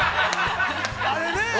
◆あれね。